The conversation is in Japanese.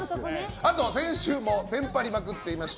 あとは、先週もテンパりまくっていました